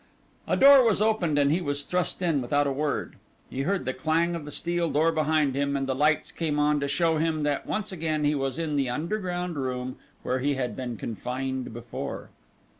A door was opened and he was thrust in without a word. He heard the clang of the steel door behind him, and the lights came on to show him that once again he was in the underground room where he had been confined before.